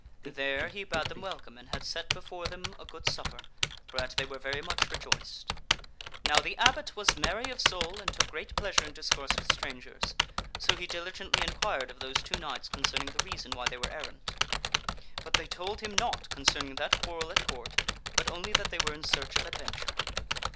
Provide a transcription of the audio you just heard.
There he bade them welcome and had set before them a good supper, whereat they were very much rejoiced. Now the abbot was merry of soul, and took great pleasure in discourse with strangers, so he diligent ly inquired of those two knights concerning the reason why they were errant. But they told him naught concerning that quarrel at Court, but only that they were in search of adventure.